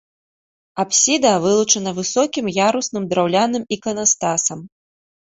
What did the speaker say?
Апсіда вылучана высокім ярусным драўляным іканастасам.